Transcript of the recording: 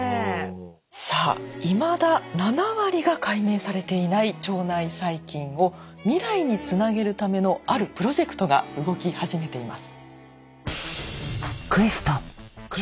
さあいまだ７割が解明されていない腸内細菌を未来につなげるためのあるプロジェクトが動き始めています。